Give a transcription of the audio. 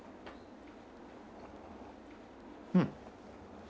うん。